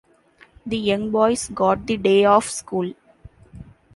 The young boys got the day off school.